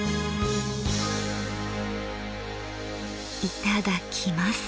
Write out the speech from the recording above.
いただきます。